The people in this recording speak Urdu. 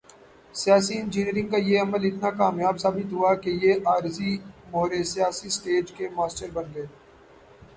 سیاسی انجینئرنگ کا یہ عمل اتنا کامیاب ثابت ہوا کہ یہ عارضی مہرے سیاسی سٹیج کے ماسٹر بن گئے۔